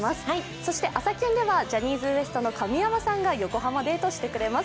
そして「朝キュン」ではジャニーズＷＥＳＴの神山さんが横浜デートしてくれます。